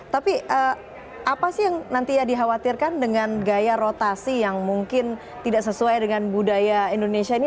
tapi apa sih yang nantinya dikhawatirkan dengan gaya rotasi yang mungkin tidak sesuai dengan budaya indonesia ini